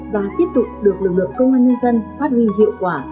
và tiếp tục được lực lượng công an nhân dân phát huy hiệu quả